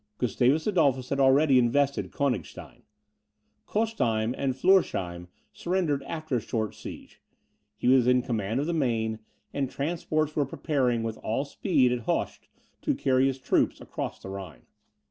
Gustavus Adolphus had already invested Koenigstein; Kostheim and Floersheim surrendered after a short siege; he was in command of the Maine; and transports were preparing with all speed at Hoechst to carry his troops across the Rhine.